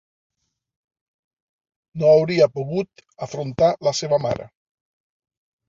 No hauria pogut afrontat la seva mare.